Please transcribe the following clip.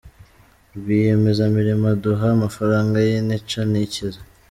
Rwiyemezamirimo aduha amafaranga y’intica ntikize.